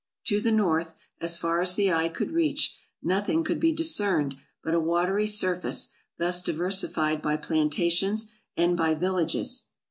To the north, as far as the eye could reach, nothing could be discerned but a watery surface thus diversified by plantations and by villages.